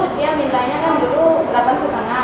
dia mintanya kan dulu delapan lima